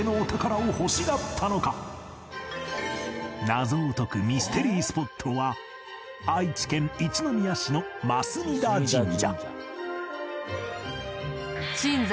謎を解くミステリースポットは愛知県一宮市の鎮座